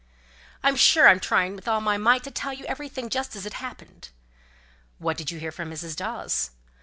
"I'm sure I'm trying with all my might to tell you everything just as it happened." "What did you hear from Mrs. Dawes?"